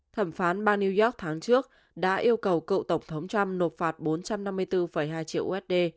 thẩm phán ban new york tháng trước đã yêu cầu cựu tổng thống trump nộp phạt bốn trăm năm mươi bốn hai triệu usd